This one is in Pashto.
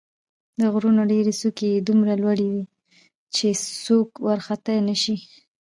د غرونو ډېرې څوکې یې دومره لوړې دي چې څوک ورختلای نه شي.